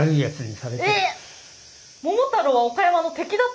えっ！？